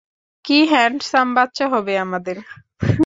কি হ্যাঁন্ডসাম বাচ্চা হবে আমাদের!